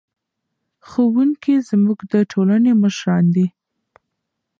ښوونکي زموږ د ټولنې مشران دي.